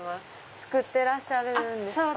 作ってらっしゃるんですか？